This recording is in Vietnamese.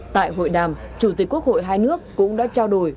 tại hội đàm chủ tịch quốc hội hai nước cũng đã trao đổi